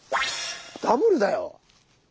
ダブルだよ。